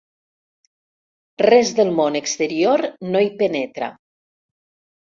Res del món exterior no hi penetra.